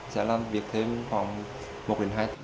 sẽ làm việc thêm khoảng một đến hai tháng